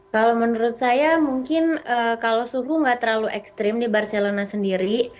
kalau menurut saya mungkin kalau suhu nggak terlalu ekstrim di barcelona sendiri